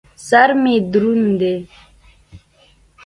سر مې دروند دى.